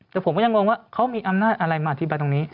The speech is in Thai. แต่ผมก็ยังงงว่าเขามีอำนาจอะไรมาอธิบายตรงนี้